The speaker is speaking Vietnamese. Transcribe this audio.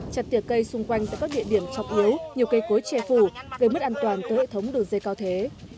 chặt tiệt cây xung quanh tại các địa điểm trọng yếu nhiều cây cối che phủ gây mất an toàn tới hệ thống đường dây cao thế